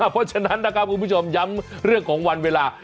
เพราะฉะนั้นนะครับคุณผู้ชมย้ำเรื่องของวันเวลา